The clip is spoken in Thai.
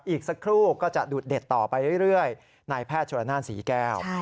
อีกสักครู่ก็จะดูดเด็ดต่อไปเรื่อยนายแพทย์โชลนานศรีแก้ว